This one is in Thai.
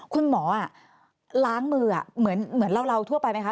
คุณหมอล้างมือเหมือนเราทั่วไปไหมคะ